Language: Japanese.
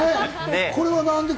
これは何で？